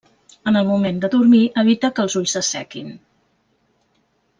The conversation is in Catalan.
En el moment de dormir evita que els ulls s'assequin.